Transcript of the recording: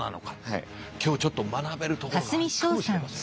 今日ちょっと学べるところがあるかもしれません。